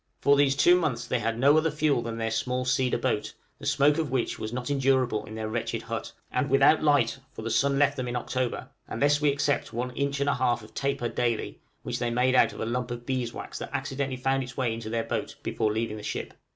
For these two months they had no other fuel than their small cedar boat, the smoke of which was not endurable in their wretched hut, and without light, for the sun left them in October, unless we except one inch and a half of taper daily, which they made out of a lump of bees' wax that accidently found its way into their boat before leaving the ship.